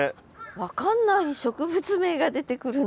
分かんない植物名が出てくるの。